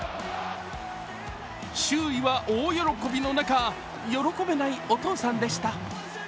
周囲は大喜びの中、喜べないお父さんでした。